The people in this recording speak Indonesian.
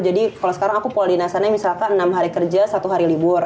jadi kalau sekarang aku pola dinasanya misalkan enam hari kerja satu hari libur